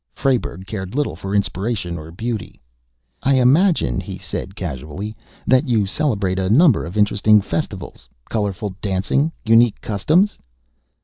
_" Frayberg cared little for inspiration or beauty. "I imagine," he said casually, "that you celebrate a number of interesting festivals? Colorful dancing? Unique customs?"